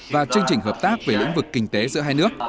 và chương trình hợp tác về lĩnh vực kinh tế giữa hai nước